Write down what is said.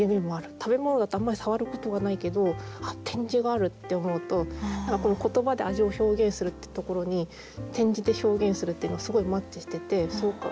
食べ物だとあんまり触ることがないけど点字があるって思うと言葉で味を表現するってところに点字で表現するっていうのはすごいマッチしててそうか。